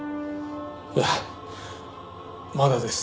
いやまだです。